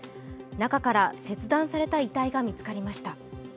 中から切断された遺体が見つかりました。